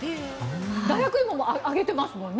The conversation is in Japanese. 大学芋も揚げてますもんね。